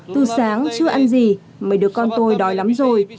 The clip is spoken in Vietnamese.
từ sáng chưa ăn gì mấy đứa con tôi đói lắm rồi